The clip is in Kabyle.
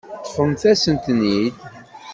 Ṭṭfemt-asent-ten-id.